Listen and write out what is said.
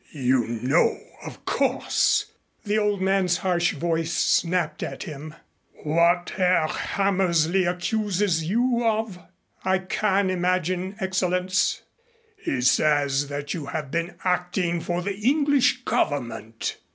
"You know, of course," the old man's harsh voice snapped at him, "what Herr Hammersley accuses you of?" "I can imagine, Excellenz." "He says that you have been acting for the English Government."